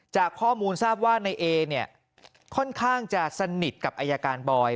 จากข้อมูลทราบว่าในเอเนี่ยค่อนข้างจะสนิทกับอายการบอย